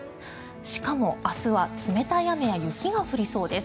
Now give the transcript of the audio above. しかも明日は冷たい雨や雪が降りそうです。